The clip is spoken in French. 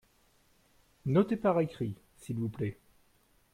Notez par écrit, s'il vous plait.